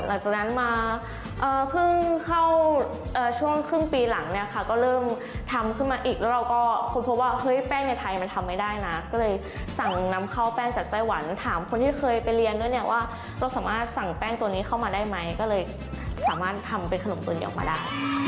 หลังจากนั้นมาเพิ่งเข้าช่วงครึ่งปีหลังเนี่ยค่ะก็เริ่มทำขึ้นมาอีกแล้วเราก็ค้นพบว่าเฮ้ยแป้งในไทยมันทำไม่ได้นะก็เลยสั่งนำข้าวแป้งจากไต้หวันถามคนที่เคยไปเรียนด้วยเนี่ยว่าเราสามารถสั่งแป้งตัวนี้เข้ามาได้ไหมก็เลยสามารถทำเป็นขนมปืนออกมาได้